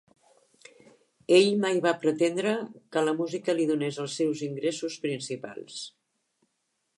Ell mai va pretendre que la música li donés els seus ingressos principals.